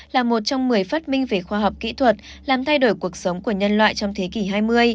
là một trong một mươi phát minh về khoa học kỹ thuật làm thay đổi cuộc sống của nhân loại trong thế kỷ hai mươi